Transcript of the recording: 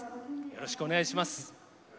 よろしくお願いします。